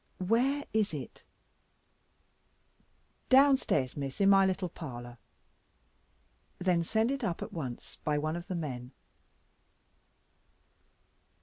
"Where is it?" "Downstairs, Miss, in my little parlour." "Then send it up at once, by one of the men."